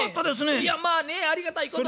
いやまあねありがたいことで。